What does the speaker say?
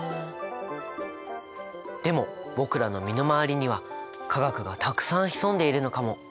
でも僕らの身の回りには化学がたくさん潜んでいるのかも。